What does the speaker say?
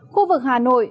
khu vực hà nội